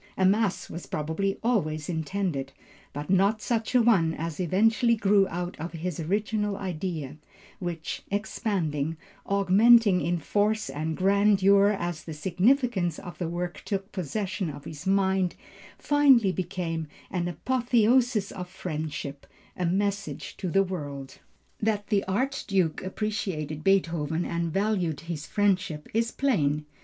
A mass was probably always intended, but not such a one as eventually grew out of his original idea, which, expanding, augmenting in force and grandeur as the significance of the work took possession of his mind, finally became an apotheosis of friendship, a message to the world. That the Archduke appreciated Beethoven and valued his friendship is plain.